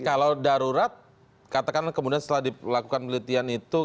kalau darurat katakanlah kemudian setelah dilakukan penelitian itu